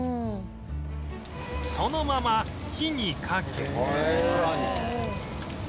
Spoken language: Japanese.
そのまま火にかけ